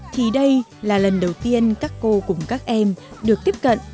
thì đây là lần đầu tiên các cô cùng các em được tiếp cận